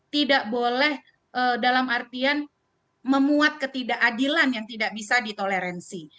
tidak boleh dalam artian memuat ketidakadilan yang tidak bisa ditoleransi